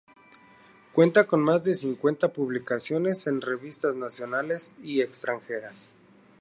Cuenta con más de cincuenta publicaciones en revistas nacionales y extranjeras.